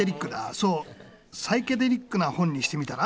そうサイケデリックな本にしてみたら？